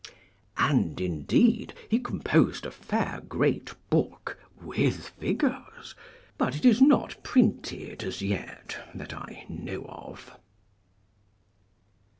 And indeed he composed a fair great book with figures, but it is not printed as yet that I know of.